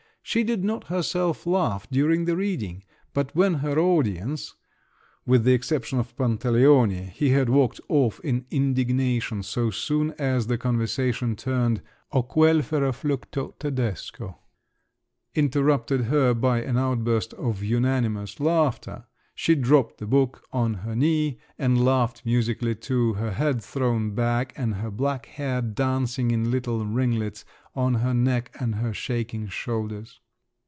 She did not herself laugh during the reading; but when her audience (with the exception of Pantaleone: he had walked off in indignation so soon as the conversation turned o quel ferroflucto Tedesco) interrupted her by an outburst of unanimous laughter, she dropped the book on her knee, and laughed musically too, her head thrown back, and her black hair dancing in little ringlets on her neck and her shaking shoulders.